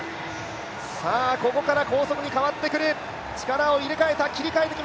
ここから高速に変わってくる。